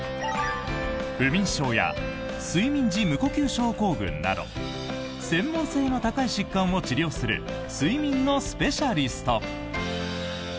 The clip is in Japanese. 不眠症や睡眠時無呼吸症候群など専門性の高い疾患を治療する睡眠のスペシャリスト。